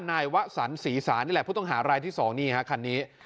นายวะสันศรีศาลนี่แหละผู้ต้องหารายที่๒นี่ฮะคันนี้